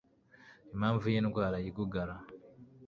Impamvu yi ndwara yigugara